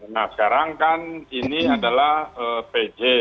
nah sekarang kan ini adalah pj